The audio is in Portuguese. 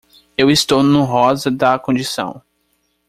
Eu estou no rosa da condição.